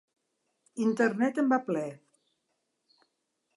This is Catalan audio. Internet en va ple.